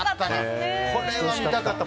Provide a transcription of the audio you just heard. これは見たかった。